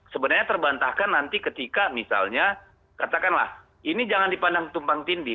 sebenarnya terbantahkan nanti ketika misalnya katakanlah ini jangan dipandang tumpang tindih